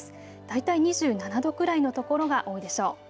大体２７度くらいの所が多いでしょう。